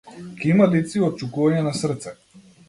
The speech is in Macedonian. Ќе има лица и отчукувања на срце.